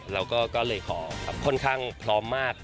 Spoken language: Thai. เราก็เลยขอค่อนข้างพร้อมมาก